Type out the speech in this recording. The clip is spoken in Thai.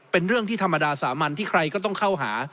เป็นเรื่องที่ธรรมดาสามัญที่ใครก็ต้องเข้าหา